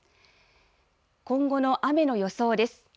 今後の雨の予想です。